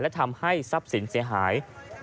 และทำให้ทรัพย์สินเสียหาย